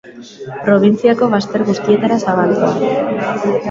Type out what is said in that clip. Probintziako bazter guztietara zabaldua.